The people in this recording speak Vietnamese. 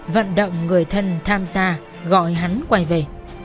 vận động người thân tham gia gọi hắn quay về